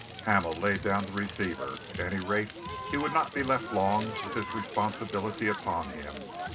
Hamel laid down the receiver. At any rate, he would not be left long with this responsibility upon him.